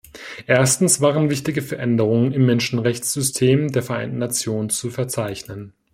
Erstens waren wichtige Veränderungen im Menschenrechtssystem der Vereinten Nationen zu verzeichnen.